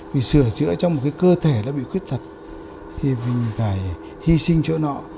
vì sửa chữa trong một cơ thể đã bị khuyết tật thì mình phải hy sinh chỗ nọ